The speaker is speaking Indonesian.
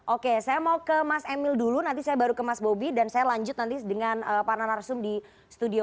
oke saya mau ke mas emil dulu nanti saya baru ke mas bobi dan saya lanjut nanti dengan para narasum di studio